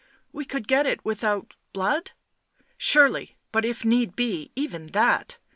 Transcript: ..." "We could get it without ... blood?" " Surely, but if need be even that."